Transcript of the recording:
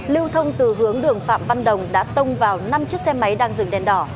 lưu thông từ hướng đường phạm văn đồng đã tông vào năm chiếc xe máy đang dừng đèn đỏ